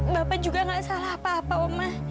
bapak juga gak salah apa apa oma